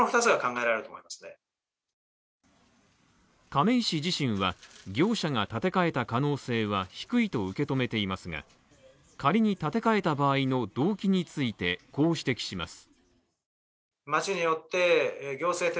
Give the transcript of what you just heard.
亀井氏は業者が建て替えた可能性は低いと受け止めていますが、仮に建て替えた場合の動機について、こう指摘します。